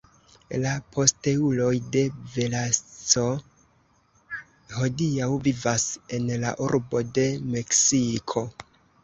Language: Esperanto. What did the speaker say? La posteuloj de Velasco hodiaŭ vivas en la urbo de Meksiko.